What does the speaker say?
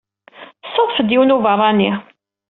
Tessadef-d yiwen n ubeṛṛani.